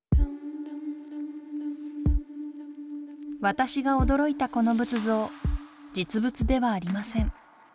私が驚いたこの仏像実物ではありません。